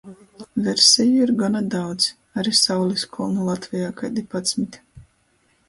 Verseju ir gona daudz. Ari Sauliskolnu Latvejā kaidi padsmit.